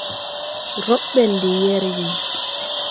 Rɔ́b ɓɛ̀n de yɛrgɛ̀.